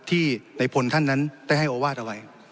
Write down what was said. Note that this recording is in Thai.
ที่ในพลท่านนั้นได้ให้โอวาสเอาไว้